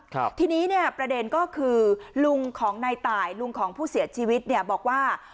ครับทีนี้เนี่ยประเด็นก็คือลุงของนายตายลุงของผู้เสียชีวิตเนี่ยบอกว่า